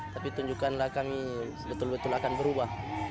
tapi tunjukkanlah kami betul betul akan berubah